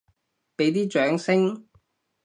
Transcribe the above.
畀啲掌聲！